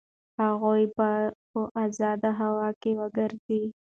هغوی باید په ازاده هوا کې وګرځي.